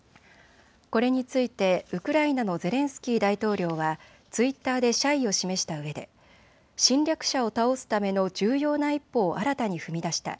これについてウクライナのゼレンスキー大統領はツイッターで謝意を示したうえで侵略者を倒すための重要な一歩を新たに踏み出した。